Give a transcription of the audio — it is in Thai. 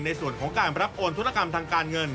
ในส่วนของการรับโอนธุรกรรมทางการเงิน